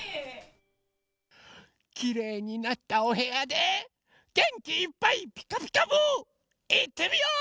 きれいになったおへやでげんきいっぱい「ピカピカブ！」いってみよう！